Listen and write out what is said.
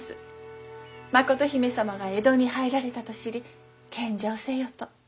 真琴姫様が江戸に入られたと知り献上せよと。